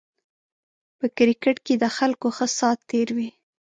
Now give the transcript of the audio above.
په کرکېټ کې د خلکو ښه سات تېر وي